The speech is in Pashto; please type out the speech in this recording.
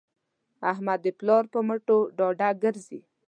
احمد د پلار په مټو ډاډه ګرځي.